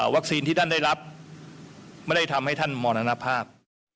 วัคซีนที่ท่านได้รับไม่ได้ทำให้ท่านหมอนานภาพ